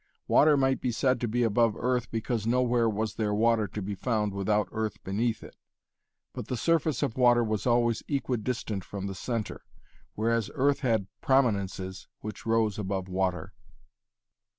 Water might be said to be above earth because nowhere was there water to be found without earth beneath it, but the surface of water was always equidistant from the centre, whereas earth had prominences which rose above water.